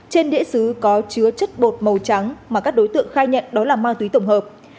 trên đĩa xứ có chứa chất bột màu trắng mà các đối tượng khai nhận đó là ma túy tổng hợp